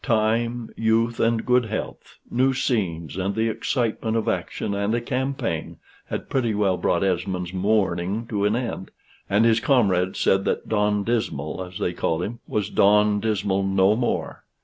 Time, youth and good health, new scenes and the excitement of action and a campaign, had pretty well brought Esmond's mourning to an end; and his comrades said that Don Dismal, as they called him, was Don Dismal no more.